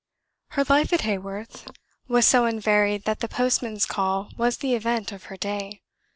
Her life at Haworth was so unvaried that the postman's call was the event of her day.